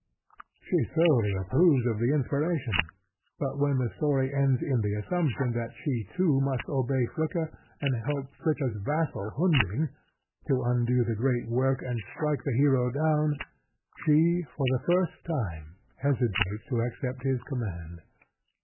She thoroughly approves of the inspiration; but when the story ends in the assumption that she too must obey Fricka, and help Fricka's vassal, Hunding, to undo the great work and strike the hero down, she for the first time hesitates to accept his command.